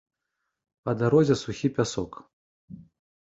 Па дарозе сухі пясок.